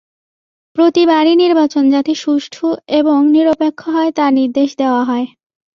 প্রতিবারই নির্বাচন যাতে সুষ্ঠু এবং নিরপেক্ষ হয়, তার নির্দেশ দেওয়া হয়।